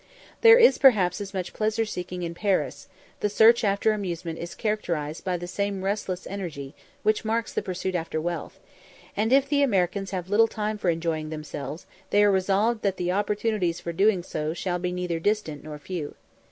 There is perhaps as much pleasure seeking as in Paris; the search after amusement is characterised by the same restless energy which marks the pursuit after wealth; and if the Americans have little time for enjoying themselves, they are resolved that the opportunities for doing so shall be neither distant nor few.